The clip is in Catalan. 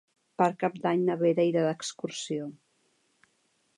Per Cap d'Any na Vera irà d'excursió.